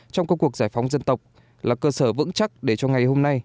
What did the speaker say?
trong các cuộc giải phóng dân tộc là cơ sở vững chắc để cho ngày hôm nay